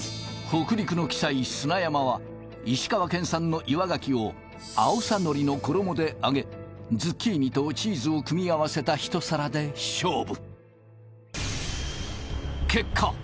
北陸の奇才砂山は石川県産の岩ガキをアオサノリの衣で揚げズッキーニとチーズを組み合わせた一皿で勝負結果